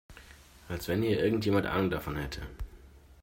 Als wenn hier irgendjemand Ahnung davon hätte!